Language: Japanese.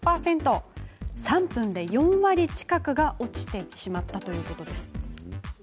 ３分で４割近くが落ちてしまっていたということです。